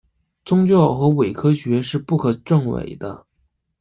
宗教和伪科学是不可证伪的。